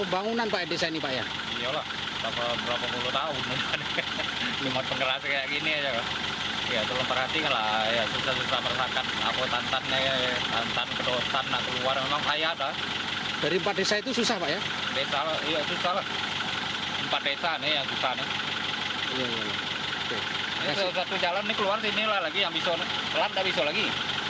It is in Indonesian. ini satu jalan keluar sini lah lagi yang bisa telat gak bisa lagi